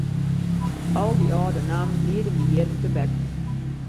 Al dy âlde nammen liede my jierren tebek.